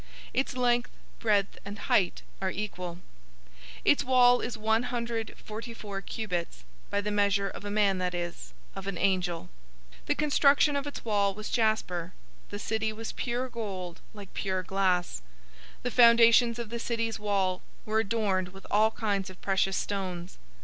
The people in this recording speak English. }. Its length, breadth, and height are equal. 021:017 Its wall is one hundred forty four cubits,{144 cubits is about 65.8 meters or 216 feet} by the measure of a man, that is, of an angel. 021:018 The construction of its wall was jasper. The city was pure gold, like pure glass. 021:019 The foundations of the city's wall were adorned with all kinds of precious stones.